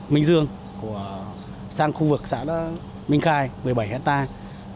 minh dương sang khu vực xã minh khai một mươi bảy hectare